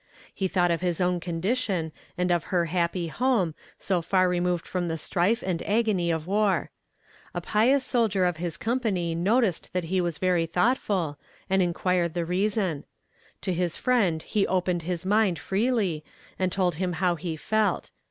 He thought of his own condition, and of her happy home, so far removed from the strife and agony of war. A pious soldier of his company noticed that he was very thoughtful, and inquired the reason. To this friend he opened his mind freely, and told him how he felt.